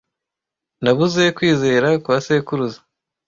nabuze kwizera kwa sekuruza